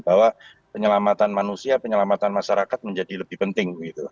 bahwa penyelamatan manusia penyelamatan masyarakat menjadi lebih penting